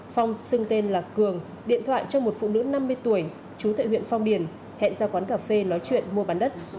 phong xưng tên là cường điện thoại cho một phụ nữ năm mươi tuổi chú tại huyện phong điền hẹn ra quán cà phê nói chuyện mua bán đất